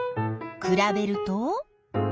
くらべると？